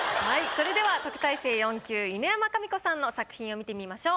それでは特待生４級犬山紙子さんの作品を見てみましょう。